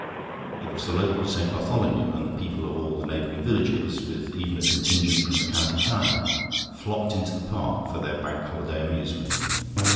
It was the local St. Bartholomew, and the people of all the neighbouring villages, with even a contingent from the county town, flocked into the park for their Bank Holiday amusement.